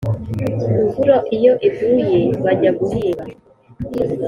Imvura iyo iguye bajya guhinga